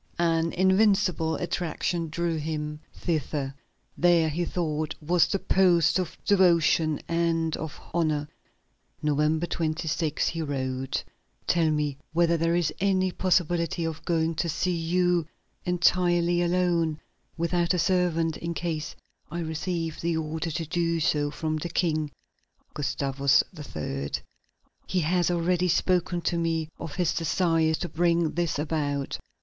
An invincible attraction drew him thither. There, he thought, was the post of devotion and of honor. November 26, he wrote: "Tell me whether there is any possibility of going to see you entirely alone, without a servant, in case I receive the order to do so from the King (Gustavus III.); he has already spoken to me of his desire to bring this about."